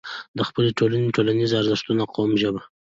د خپلې ټولنې، ټولنيز ارزښتونه، قوم، ژبه